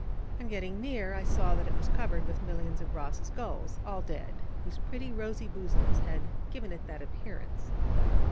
On getting near I saw that it was covered with millions of Ross's gulls, all dead, whose pretty rosy bosoms had given it that appearance.